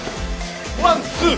ワンツー。